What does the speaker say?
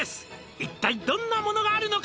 「一体どんなものがあるのか」